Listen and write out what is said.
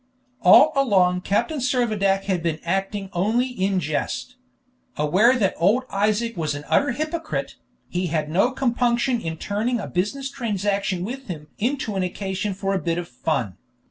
All along Captain Servadac had been acting only in jest. Aware that old Isaac was an utter hypocrite, he had no compunction in turning a business transaction with him into an occasion for a bit of fun.